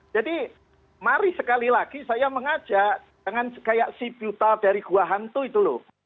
jadi mari sekali lagi saya mengajak dengan kayak si buta dari gua hantu itu loh